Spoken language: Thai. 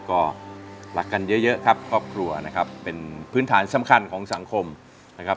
ก็รักกันเยอะเยอะครับครอบครัวนะครับเป็นพื้นฐานสำคัญของสังคมนะครับ